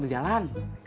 ya pak g